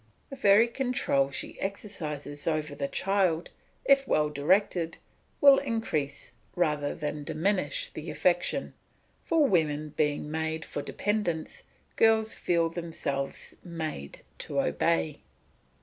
The very control she exercises over the child, if well directed, will increase rather than diminish the affection, for women being made for dependence, girls feel themselves made to obey.